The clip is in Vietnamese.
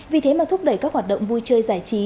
vì thế mà thúc đẩy các hoạt động vui chơi giải trí